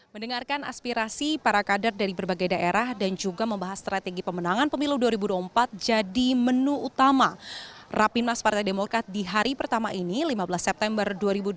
mendengarkan aspirasi para kader dari berbagai daerah dan juga membahas strategi pemenangan pemilu dua ribu dua puluh empat jadi menu utama rapimnas partai demokrat di hari pertama ini lima belas september dua ribu dua puluh